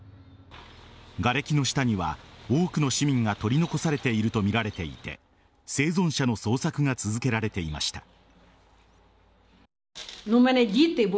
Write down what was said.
がれきの下には多くの市民が取り残されているとみられていて生存者の捜索が続けられていました。